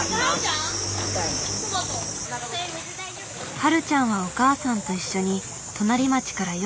はるちゃんはお母さんと一緒に隣町からよく来るそう。